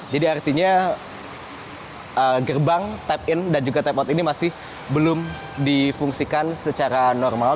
jadi artinya gerbang tap in dan juga tap out ini masih belum difungsikan secara normal